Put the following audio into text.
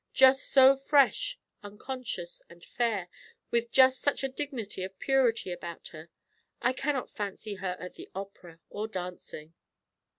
Just so fresh, unconscious, and fair; with just such a dignity of purity about her. I cannot fancy her at the opera, or dancing."